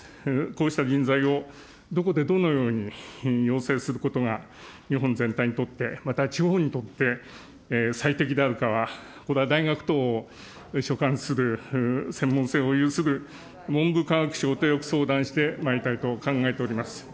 こうした人材をどこでどのように養成することが日本全体にとって、また地方にとって、最適であるかはこれは大学等を所管する、専門性を有する文部科学省とよく相談してまいりたいと考えております。